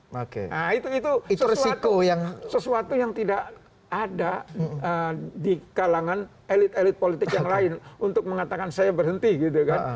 nah itu sesuatu yang tidak ada di kalangan elit elit politik yang lain untuk mengatakan saya berhenti gitu kan